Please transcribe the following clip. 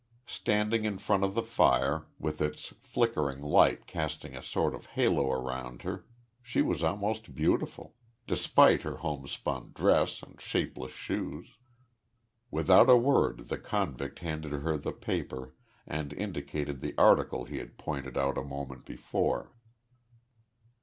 Standing in front of the fire, with its flickering light casting a sort of halo around her, she was almost beautiful despite her homespun dress and shapeless shoes. Without a word the convict handed her the paper and indicated the article he had pointed out a moment before.